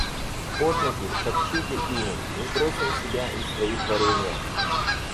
Под ноги — топчите ими — мы бросим себя и свои творенья.